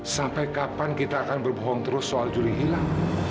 sampai kapan kita akan berbohong terus soal juri hilang